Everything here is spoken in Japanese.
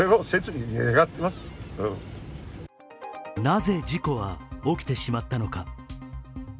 なぜ事故は起きてしまったのか。